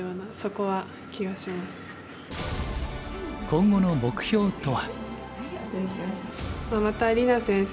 今後の目標とは。